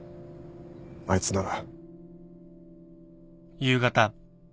あいつなら。